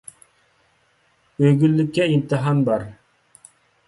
ئۆگۈنلۈككە ئىمتىھان بار.